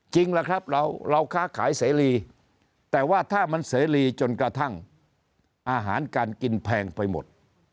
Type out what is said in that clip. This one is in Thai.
ล่ะครับเราค้าขายเสรีแต่ว่าถ้ามันเสรีจนกระทั่งอาหารการกินแพงไปหมด